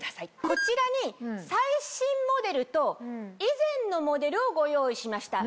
こちらに最新モデルと以前のモデルをご用意しました。